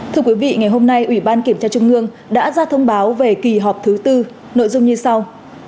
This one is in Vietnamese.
thưa quý vị ngày hôm nay ủy ban kiểm tra trung ương đã ra thông báo về kỳ họp thứ tư nội dung như sau